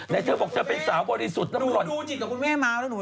แต่เธอบอกเธอเป็นสาวบริสุทธิ์น้ำหล่อนจิตกับคุณแม่เมาแล้วหนู